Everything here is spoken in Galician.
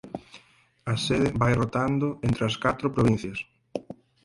A sede vai rotando entre as catro provincias.